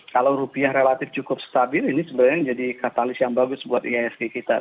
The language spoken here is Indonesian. kalau rupiah relatif cukup stabil ini sebenarnya menjadi katalis yang bagus buat ihsg kita